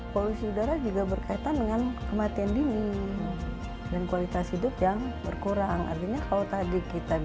polusi udara juga berkaitan dengan kematian dini dan kualitas hidup yang berkurang artinya kalau tadi kita